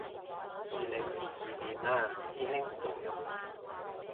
二零二二年嘞師兄，仲用